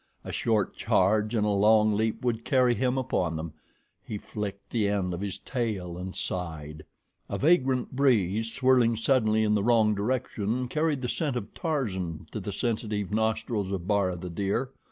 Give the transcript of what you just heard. A short charge and a long leap would carry him upon them. He flicked the end of his tail and sighed. A vagrant breeze, swirling suddenly in the wrong direction, carried the scent of Tarzan to the sensitive nostrils of Bara, the deer.